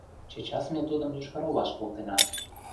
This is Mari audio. Чечас ме тудым Йошкар-Олаш колтена.